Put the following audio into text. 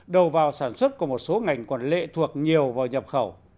đầu vào sản xuất của một số ngành còn lệ thuộc nhiều vào nhập khẩu